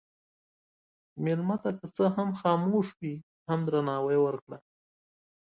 مېلمه ته که څه هم خاموش وي، هم درناوی ورکړه.